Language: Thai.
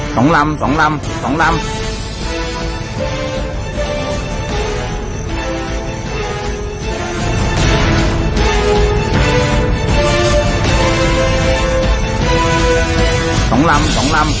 ตรงนั้นตรงนั้นตรงนั้น